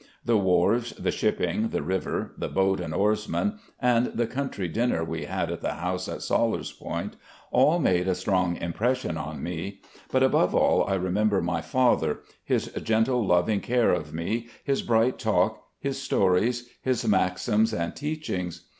The wharves, the shipping, the river, the boat and oarsmen, and the cotmtry dinner we had at the house at Sellers Point, all made a strong impression on me; but above all I remem ber my father, his gentle, loving care of me, his bright talk, his stories, his maxims and teachings.